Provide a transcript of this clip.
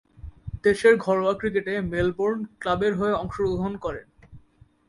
দেশের ঘরোয়া ক্রিকেটে মেলবোর্ন ক্লাবের হয়ে অংশগ্রহণ করেন।